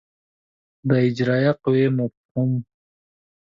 د اجرایه قوې مفهوم